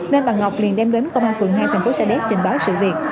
nên bà ngọc liền đem đến công an phường hai thành phố sa đéc trình báo sự việc